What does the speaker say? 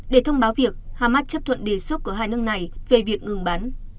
để thông báo việc hamas chấp thuận đề xuất của hai nước này về việc ngừng bắn